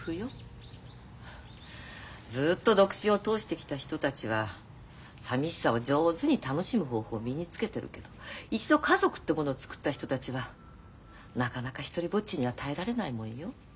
ずっと独身を通してきた人たちはさみしさを上手に楽しむ方法を身につけてるけど一度家族ってものをつくった人たちはなかなか独りぼっちには耐えられないもんよ。